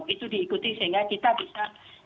itu diikuti sehingga kita bisa